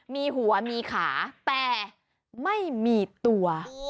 มีหัวมีขาแต่ไม่มีตัว